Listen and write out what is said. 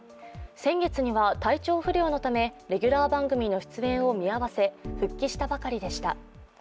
先月には体調不良のためレギュラー番組の出演を見合わせ復帰したばかりでした。